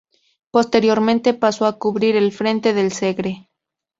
Posteriormente pasó a cubrir el frente del Segre.